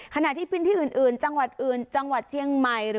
ขณะที่พื้นที่อื่นจังหวัดอื่นจังหวัดเจียงใหม่